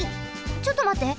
ちょっとまって。